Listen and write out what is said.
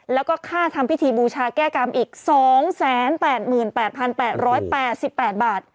แล้วก็ค่าทำพิธีบูชาแก้กรรมอีก๒๘๘บาท